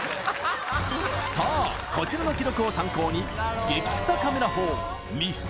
さあこちらの記録を参考にゲキ臭カメラ砲密室